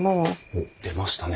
おっ出ましたね。